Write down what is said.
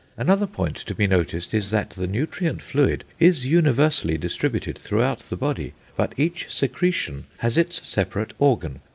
Another point to be noticed is, that the nutrient fluid is universally distributed through the body, but each secretion has its separate organ....